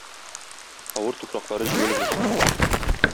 Авыр туфраклары җиңел булсын.